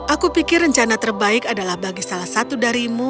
aku pikir rencana terbaik adalah bagi salah satu darimu